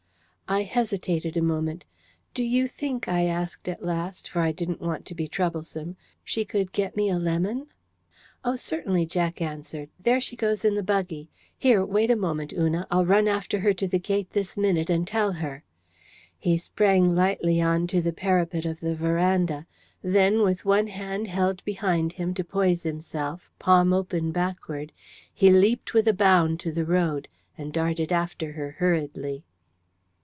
I hesitated a moment. "Do you think," I asked at last, for I didn't want to be troublesome, "she could get me a lemon?" "Oh, certainly," Jack answered; "there she goes in the buggy! Here, wait a moment, Una! I'll run after her to the gate this minute and tell her." He sprang lightly on to the parapet of the verandah. Then, with one hand held behind him to poise himself, palm open backward, he leapt with a bound to the road, and darted after her hurriedly.